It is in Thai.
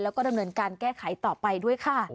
แล้วก็ดำเนินการแก้ไขต่อไปด้วยค่ะ